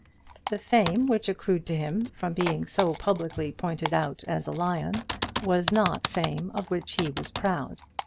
The fame which accrued to him from being so publicly pointed out as a lion, was not fame of which he was proud.